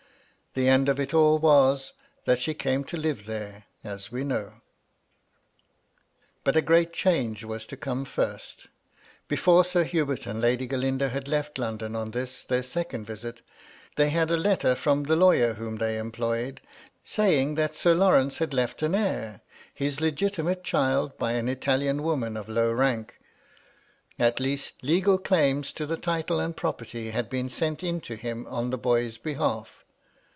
The end of it all was, that she came to live there, as we know. But a great change was to come first Before Sir Hubert and Lady Galindo had left London on this, their second visit, they had a letter from the lawyer, whom tliey employed, saying that Sir Lawrepce had left an heir, his legitimate child by an Italian woman of low rank ; at least, legal claims to the title and property had been sent into him on the boy's behalf.